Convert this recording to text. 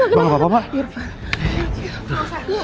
irfan kita gak kenal